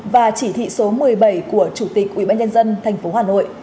và chỉ thị số một mươi bảy của chủ tịch ubnd tp hà nội